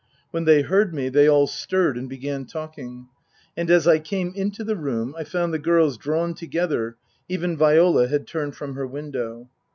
When they heard me they all stirred and began talking. And as I came into the room I found the girls drawn to gether (even Viola had turned from her window).